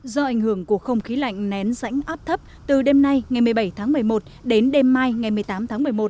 do ảnh hưởng của không khí lạnh nén rãnh áp thấp từ đêm nay ngày một mươi bảy tháng một mươi một đến đêm mai ngày một mươi tám tháng một mươi một